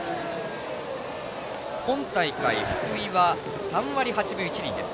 今大会、福井は３割８分１厘です。